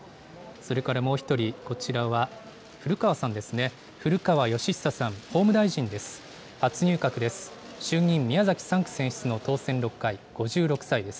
それからもう一人、こちらは古川さんですね、古川禎久さん、法務大臣です。